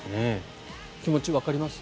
気持ちわかります？